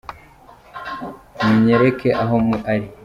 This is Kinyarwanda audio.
munyereke aho ari.